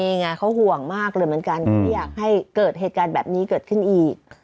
นี่ไงเขาห่วงมากเลยเหมือนกันไม่อยากให้เกิดเหตุการณ์แบบนี้เกิดขึ้นอีก